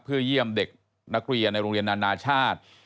เพื่อเยี่ยมเด็กนักเรียนในโรงเรียนนานาชาติ